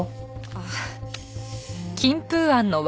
ああ。